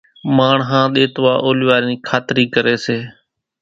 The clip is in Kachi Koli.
ماڻۿان ۮيتوا اولايا نِي کاتري ڪري سي